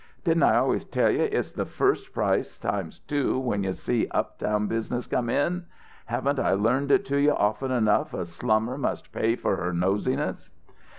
"Didn't I always tell you it's the first price times two when you see up town business come in? Haven't I learned it to you often enough a slummer must pay for her nosiness?"